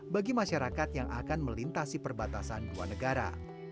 bagi masyarakat yang akan melintasi perbatasan dua negara